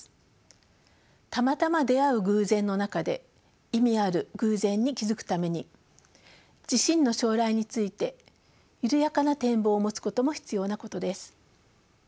たまたま出会う偶然の中で意味ある偶然に気付くために自身の将来について緩やかな展望を持つことも必要なことです。